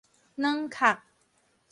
軟殼